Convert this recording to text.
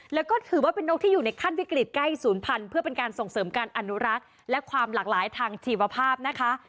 แล้วก็ถือว่าเป็นนกที่อยู่ในขั้นวิกฤตใกล้ศูนย์พันธุ์เพื่อเป็นการส่งเสริมการอนุรักษ์และความหลากหลายทางชีวภาพนะคะ